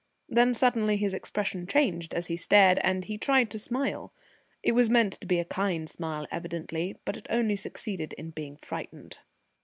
Then suddenly his expression changed as he stared, and he tried to smile. It was meant to be a kind smile evidently, but it only succeeded in being frightened.